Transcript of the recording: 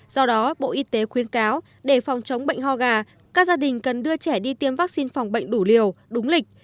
do đó bộ y tế khuyên cáo để phòng chống bệnh ho gà các gia đình cần đưa trẻ đi tiêm vaccine phòng bệnh đủ liều đúng lịch